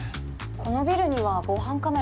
このビルには防犯カメラは？